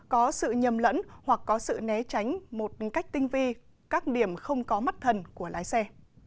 có sự nhầm lẫn hoặc có sự né tránh một cách tinh vi các điểm không có mắt thần của lái xe